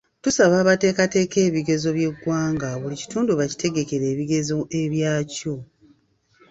Tusaba abateekateeka ebigezo by'eggwanga buli kitundu bakitegekere ebigezo ebyakyo.